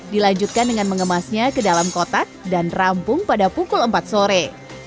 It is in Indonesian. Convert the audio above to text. dilanjutkan dengan mengemasnya ke dalam kotak dan rampung pada pukul empat sore